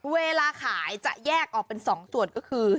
เวลาขายจะแยกออกเป็น๒ส่วนก็คือ